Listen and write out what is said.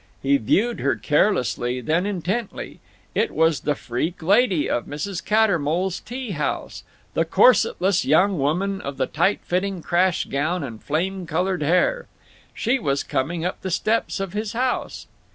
He viewed her carelessly, then intently. It was the freak lady of Mrs. Cattermole's Tea House—the corsetless young woman of the tight fitting crash gown and flame colored hair. She was coming up the steps of his house.